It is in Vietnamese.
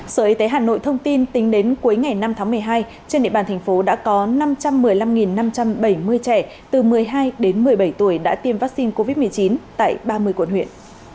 sở y tế hà nội thông tin tính đến cuối ngày năm tháng một mươi hai trên địa bàn thành phố đã có năm trăm một mươi năm năm trăm bảy mươi trẻ từ một mươi hai đến một mươi bảy tuổi đã tiêm vaccine covid một mươi chín tại ba mươi quận huyện